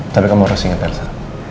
tapi kamu harus ingat persa